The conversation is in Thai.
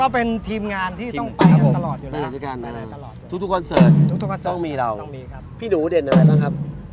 เป็นอะไรบ้างครับ